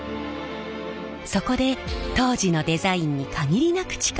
そこで当時のデザインに限りなく近い形で復刻。